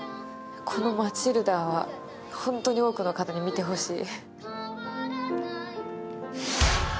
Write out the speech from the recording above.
この『マチルダ』はホントに多くの方に見てほしい。